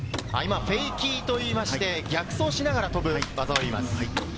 フェイキーと言いまして、逆走しながら飛ぶ技を今。